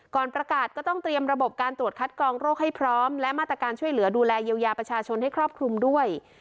ก่อนประกาศก็ต้องเตรียมระบบการตรวจคัดกองโรคให้พร้อมและมาตรการช่วยเหลือดูแลเยียวยาประชาชนให้ครอบคลุมด้วย